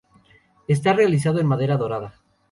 Está realizado en madera dorada.